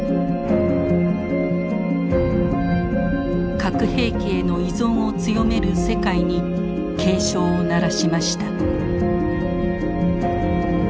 核兵器への依存を強める世界に警鐘を鳴らしました。